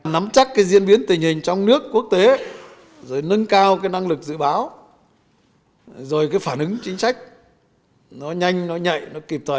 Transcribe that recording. nắm chắc diễn biến tình hình trong nước quốc tế nâng cao năng lực dự báo phản ứng chính sách nó nhanh nó nhạy nó kịp thoải